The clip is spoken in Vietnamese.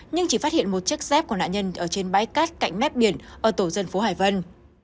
nhưng chỉ phát hiện một chiếc dép của nạn nhân ở trên bãi cát cạnh mép biển ở tổ dân phố hải vân